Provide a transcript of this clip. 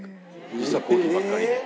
実はコーヒーばっかりで。